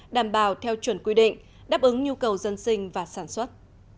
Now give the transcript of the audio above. đảm bảo theo chuẩn quy định đáp ứng nhu cầu dân sinh và sản xuất